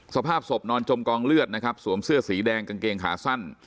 สภาพศพนอนจมกองเลือดนะครับสวมเสื้อสีแดงกางเกงขาสั้น